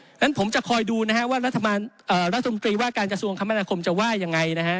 ฉะนั้นผมจะคอยดูนะฮะรัฐธรรมกรีว่าการกระทรวงคมนาคมจะว่ายังไงนะฮะ